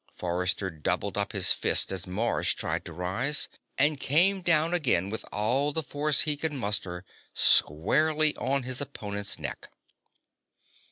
Forrester doubled up his fist as Mars tried to rise, and came down again with all the force he could muster, squarely on his opponent's neck.